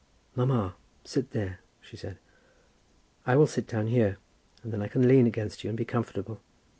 "Mamma, sit there," she said; "I will sit down here, and then I can lean against you and be comfortable.